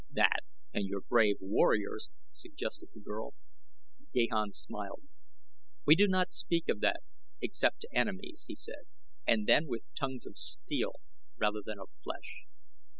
"That, and your brave warriors?" suggested the girl. Gahan smiled. "We do not speak of that except to enemies," he said, "and then with tongues of steel rather than of flesh."